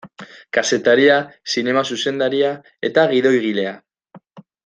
Kazetaria, zinema zuzendaria eta gidoigilea.